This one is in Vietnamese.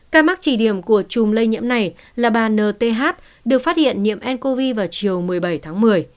ca mắc chỉ điểm của chùm lây nhiễm này là bà nth được phát hiện nhiễm ncov vào chiều một mươi bảy tháng một mươi